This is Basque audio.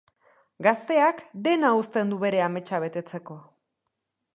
Gazteak dena uzten du bere ametsa betetzeko.